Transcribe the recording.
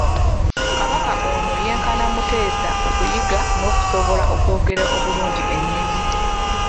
Kabaka ono yenkana Mutesa okuyiga n'okusobola okwogera obulungi ennimi.